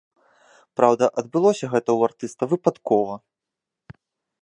Праўда, адбылося гэта ў артыста выпадкова.